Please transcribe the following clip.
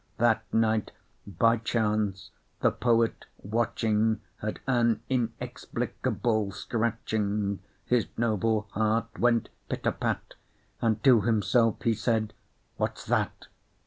That night, by chance, the poet watching, Heard an inexplicable scratching; His noble heart went pit a pat, And to himself he said "What's that?"